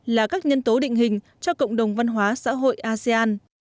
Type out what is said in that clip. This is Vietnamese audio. là các nhân tố định hình cho cộng đồng văn hóa xã hội asean